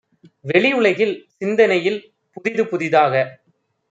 வௌியுலகில், சிந்தனையில் புதிது புதிதாக